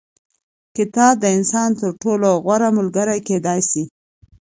کتاب د انسان تر ټولو غوره ملګری کېدای سي.